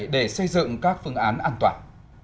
để xây dựng các phương án an toàn